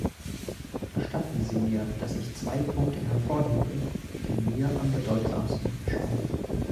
Gestatten Sie mir, dass ich zwei Punkte hervorhebe, die mir am bedeutsamsten erscheinen.